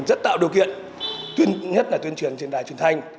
rất tạo điều kiện nhất là tuyên truyền trên đài truyền thanh